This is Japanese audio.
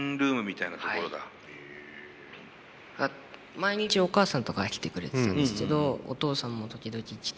毎日お母さんとかは来てくれてたんですけどお父さんも時々来て。